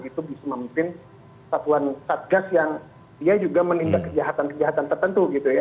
itu bisa memimpin satuan satgas yang dia juga menindak kejahatan kejahatan tertentu gitu ya